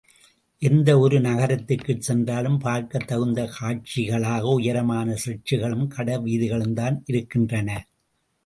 எந்த ஒரு நகரத்திற்குச் சென்றாலும் பார்க்கத் தகுந்த காட்சிகளாக உயரமான சர்ச்சுகளும் கடைவீதிகளும்தான் இருக்கின்றன.